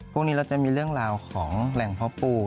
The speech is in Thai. พวกนี้เราจะมีเรื่องราวของแหล่งเพาะปู